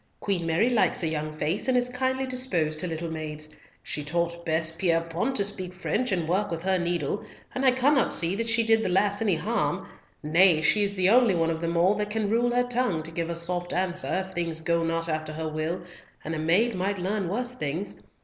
Queen Mary likes a young face, and is kindly disposed to little maids. She taught Bess Pierrepoint to speak French and work with her needle, and I cannot see that she did the lass any harm, nay, she is the only one of them all that can rule her tongue to give a soft answer if things go not after her will, and a maid might learn worse things.